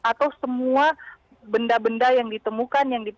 atau semua benda benda yang ditemukan